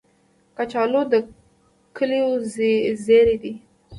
کچالو د کلیو زېری دی